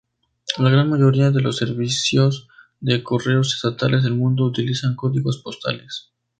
La gran mayoría de los servicios de correos estatales del mundo utilizan códigos postales.